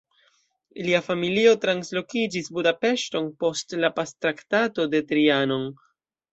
Lia familio translokiĝis Budapeŝton post la Pactraktato de Trianon.